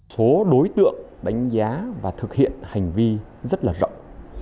số đối tượng đánh giá và thực hiện hành vi rất là rộng